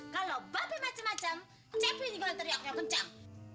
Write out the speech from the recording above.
kalo mbak be macem macem cepi ini gua teriaknya kencang